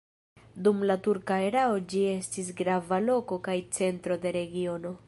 Dum la turka erao ĝi estis grava loko kaj centro de regiono.